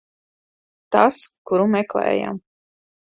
Tas, kuru meklējām.